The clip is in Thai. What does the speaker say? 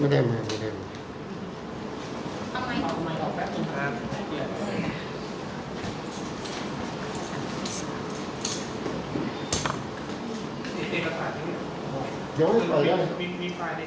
ขอบคุณครับ